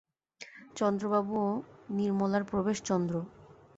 চন্দ্রবাবু ও নির্মলার প্রবেশ চন্দ্র।